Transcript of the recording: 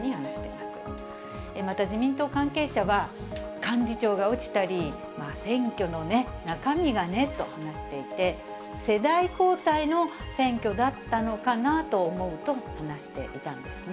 また自民党関係者は、幹事長が落ちたり、選挙のね、中身がねと話していて、世代交代の選挙だったのかなと思うとも話していたんですね。